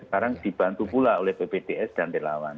sekarang dibantu pula oleh ppds dan relawan